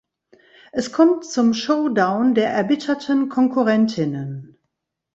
Es kommt zum Showdown der erbitterten Konkurrentinnen.